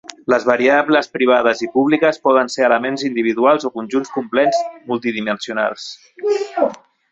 Les variables, privades i públiques, poden ser elements individuals o conjunts complets multidimensionals.